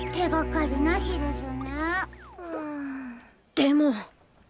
でも！